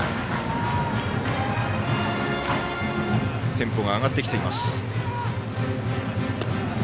テンポが上がってきています。